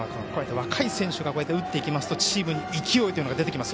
若い選手が打っていきますとチームに勢いが出てきます。